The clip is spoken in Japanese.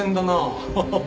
ハハハハ。